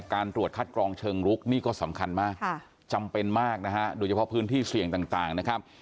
การตรวจคัดกรองเชิงลุกนี่ก็สำคัญมากจำเป็นมากนะฮะโดยเฉพาะพื้นที่เสี่ยงต่างนะครับ